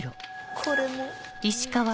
これも。